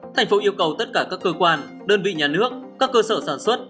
thành phố yêu cầu tất cả các cơ quan đơn vị nhà nước các cơ sở sản xuất